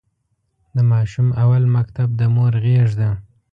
د ماشوم اول مکتب د مور غېږ ده.